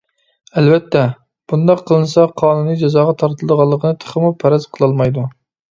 ئەلۋەتتە، بۇنداق قىلىنسا قانۇنى جازاغا تارتىلىدىغانلىقىنى تېخىمۇ پەرەز قىلالمايدۇ.